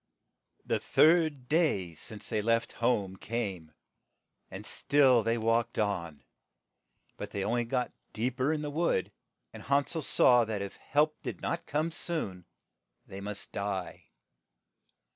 The third day since they left home came, and still they walked on, but they on ly got deep er in the wood, and Han sel saw that if help did not come soon they must die.